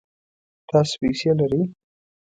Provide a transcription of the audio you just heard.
تاسو پیسې لرئ؟